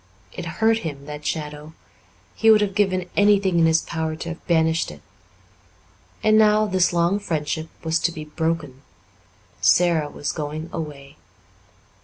It hurt him, that shadow; he would have given anything in his power to have banished it. And now this long friendship was to be broken. Sara was going away.